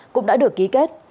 cũng đã được ký kết